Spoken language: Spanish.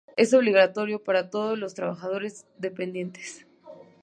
Es obligatorio para todos los trabajadores dependientes.